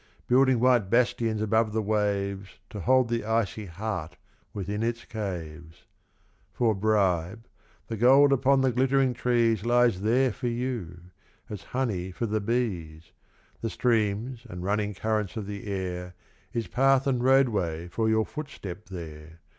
Building white bastions above the waves To hold the icy heart within its caves ; For bribe, the gold upon the glittering trees Lies there for you, as honey for the bees, The streams and running currents of the air Is path and roadway for your footstep there.